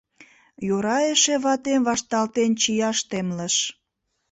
Йӧра эше ватем вашталтен чияш темлыш.